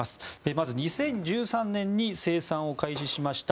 まず２０１３年に生産を開始しました